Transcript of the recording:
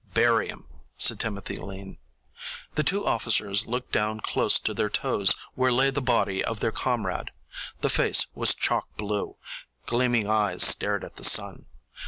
"Bury him," said Timothy Lean. The two officers looked down close to their toes where lay the body of their comrade. The face was chalk blue; gleaming eyes stared at the sky.